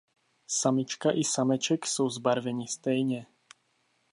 Samička i sameček jsou zbarveni stejně.